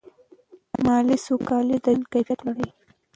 مالي سوکالي د ژوند کیفیت لوړوي.